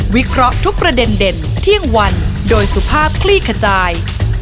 เคราะห์ทุกประเด็นเด่นเที่ยงวันโดยสุภาพคลี่ขจาย